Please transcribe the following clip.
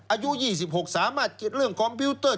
อายุ๒๖สามารถเก็บเรื่องคอมพิวเตอร์